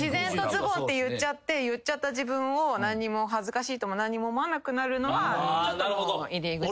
ズボンって言っちゃって言っちゃった自分を何にも恥ずかしいとも何にも思わなくなるのはちょっと入り口かなと。